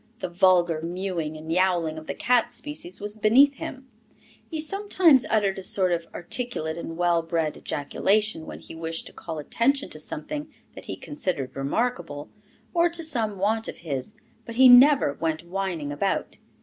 The vulgar mewing and yowling of the cat species was beneath him; he sometimes uttered a sort of articulate and well bred ejaculation, when he wished to call attention to something that he considered remarkable, or to some want of his, but he never went whining about.